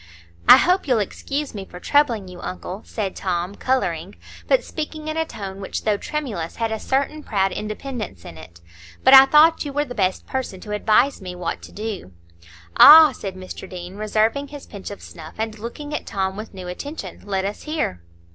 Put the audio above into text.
"I hope you'll excuse me for troubling you, uncle," said Tom, colouring, but speaking in a tone which, though, tremulous, had a certain proud independence in it; "but I thought you were the best person to advise me what to do." "Ah!" said Mr Deane, reserving his pinch of snuff, and looking at Tom with new attention, "let us hear."